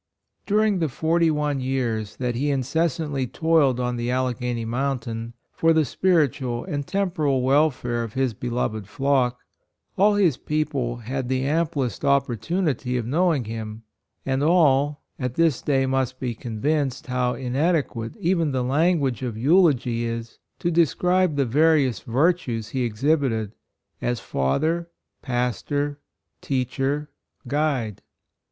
URING the forty one iKQ^ years that he inces santly toiled on the Al leghany mountain for the spiritual and temporal wel fare of his beloved flock, all his people had the amplest opportu nity of knowing him, and all, at this day must be convinced how inadequate even the language of eulogy is to describe the various virtues he exhibited, as father, pas tor, teacher, guide.